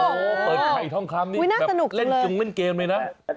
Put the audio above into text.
โอ้โหเปิดไข่ท่องคำนี่แบบเล่นจงเล่นเกมเลยนะอุ๊ยน่าสนุกจริง